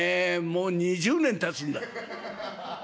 もう２０年たつんだ」。